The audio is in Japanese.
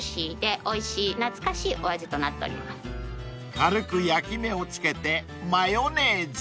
［軽く焼き目をつけてマヨネーズ。